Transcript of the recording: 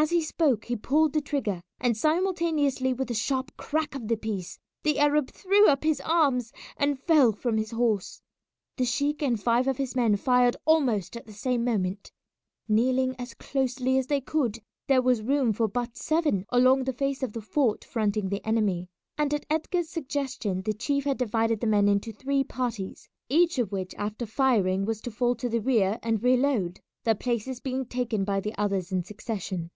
As he spoke he pulled the trigger, and simultaneously with the sharp crack of the piece the Arab threw up his arms and fell from his horse. The sheik and five of his men fired almost at the same moment. Kneeling as closely as they could, there was room for but seven along the face of the fort fronting the enemy, and at Edgar's suggestion the chief had divided the men into three parties, each of which after firing was to fall to the rear and reload, their places being taken by the others in succession.